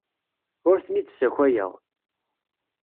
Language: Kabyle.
Ur ten-id-ssakayeɣ.